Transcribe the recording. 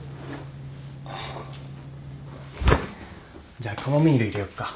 じゃあカモミール入れよっか。